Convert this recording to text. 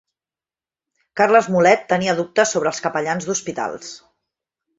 Carles Mulet tenia dubtes sobre els capellans d'hospitals